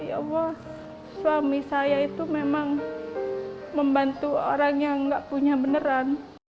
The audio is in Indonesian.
ya allah suami saya itu memang membantu orang yang nggak punya beneran